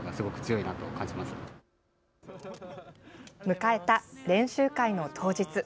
迎えた練習会の当日。